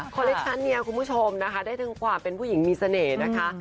คอเล็กชั่นเนี่ยคุณผู้ชมนะคะได้ทั้งความเป็นผู้หญิงมีเสน่ห์นะคะ